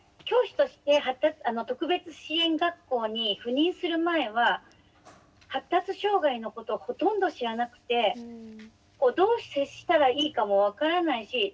教師として特別支援学校に赴任する前は発達障害のことをほとんど知らなくてどう接したらいいかも分からないし。